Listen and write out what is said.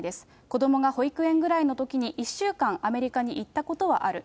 子どもが保育園ぐらいのときに１週間、アメリカに行ったことはある。